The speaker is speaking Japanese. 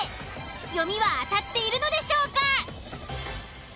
読みは当たっているのでしょうか？